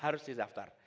harus di daftar